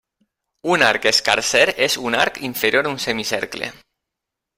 Un arc escarser és un arc inferior a un semicercle.